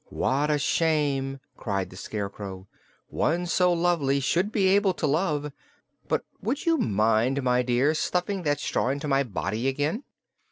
"What a shame!" cried the Scarecrow. "One so lovely should be able to love. But would you mind, my dear, stuffing that straw into my body again?"